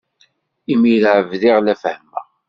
Imir-a bdiɣ la fehhmeɣ.